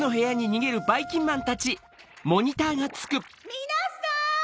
みなさん！